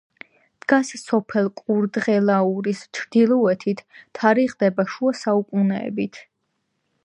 დგას სოფელ კურდღელაურის ჩრდილოეთით, თარიღდება შუა საუკუნეებით.